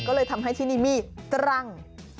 ก็เลยทำให้ที่นี่มีตรัง